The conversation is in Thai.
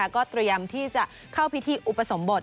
ก็เตรียมที่จะเข้าพิธีอุปสมบท